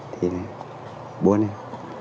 thì buôn em